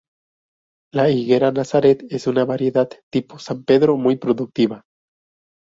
La higuera Nazaret es una variedad tipo San Pedro, muy productiva.